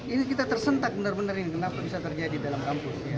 ini kita tersentak benar benar ini kenapa bisa terjadi dalam kampus